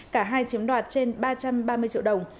cả hai chiếm đoạt trên ba trăm ba mươi triệu đồng